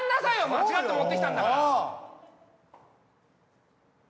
間違って持ってきたんだから。